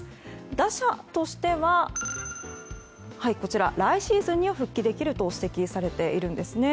打者としては来シーズンに復帰できると指摘されているんですね。